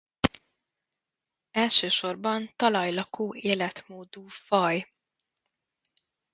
Elsősorban talajlakó életmódú faj.